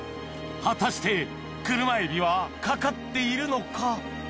果たして車エビはかかっているのか？